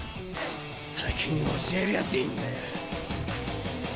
先に教える奴いんだよ。